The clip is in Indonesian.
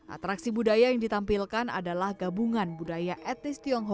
atraksi budaya yang ditampilkan adalah gabungan budaya etnis tionghoa suku dayak dan melayu